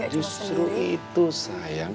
justru itu sayang